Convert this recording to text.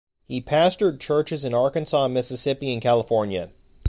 He pastored churches in Arkansas, Mississippi, and California.